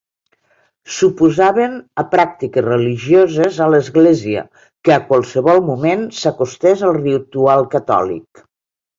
S'oposaven a pràctiques religioses a l'Església que a qualsevol moment s'acostés al ritual catòlic.